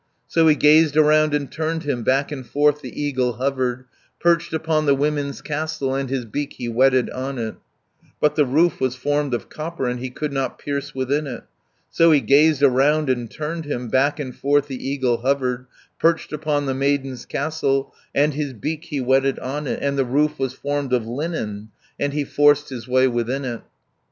370 "So he gazed around and turned him, Back and forth the eagle hovered, Perched upon the women's castle, And his beak he whetted on it, But the roof was formed of copper, And he could not pierce within it. "So he gazed around and turned him, Back and forth the eagle hovered, Perched upon the maidens' castle, And his beak he whetted on it, 380 And the roof was formed of linen, And he forced his way within it.